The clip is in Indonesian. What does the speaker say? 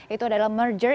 itu adalah merger